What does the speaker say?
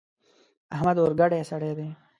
احمد اورګډی سړی دی.